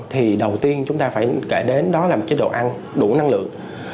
thì đầu tiên chúng ta phải kể đến đó là một chế độ ăn đủ năng lượng